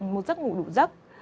một giấc ngủ đủ giấc